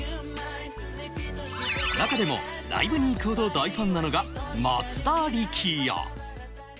中でもライブに行くほど大ファンなのが松田力也。